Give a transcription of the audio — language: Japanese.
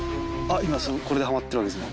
今これではまってるわけですね。